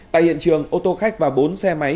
tại hiện trường ô tô khách và bốn xe máy